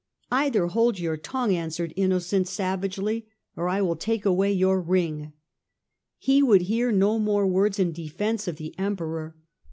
" Either hold your tongue," answered Innocent savagely, " or I will take away your ring." He would hear no more words in defence of the Emperor.